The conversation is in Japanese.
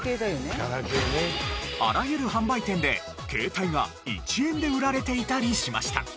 あらゆる販売店で携帯が１円で売られていたりしました。